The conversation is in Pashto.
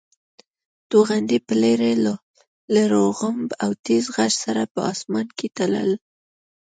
توغندي به لرې له غړومب او تېز غږ سره په اسمان کې تلل.